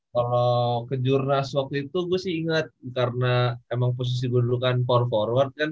kalau ke juna s waktu itu gue sih inget karena emang posisi gue dulu kan power forward kan